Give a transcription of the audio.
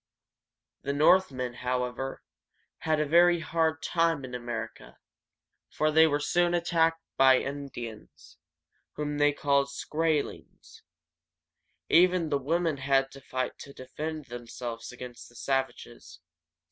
The Northmen, however, had a very hard time in America, for they were soon attacked by the Indians, whom they called Skrae´lings. Even the women had to fight to defend themselves against the savages.